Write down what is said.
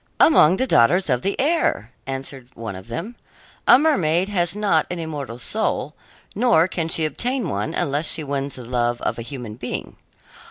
"Among the daughters of the air," answered one of them. "A mermaid has not an immortal soul, nor can she obtain one unless she wins the love of a human being.